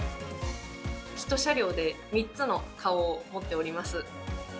１車両で３つの顔を持っております。